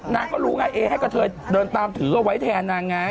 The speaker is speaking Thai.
นางก็รู้ไงเอให้กระเทยเดินตามถือเอาไว้แทนนางไง